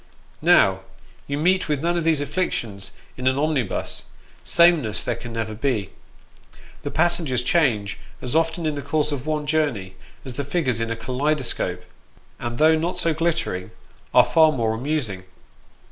Now, you meet with none of these afflictions in an omnibus ; same ness there can never be. The passengers change as often in the course of one journey as the figures in a kaleidoscope, and though not so glittering, are far more amusing.